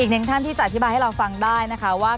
อีกหนึ่งท่านที่จะอธิบายให้เราฟังได้นะคะว่า